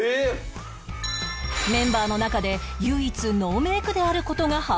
メンバーの中で唯一ノーメイクである事が判明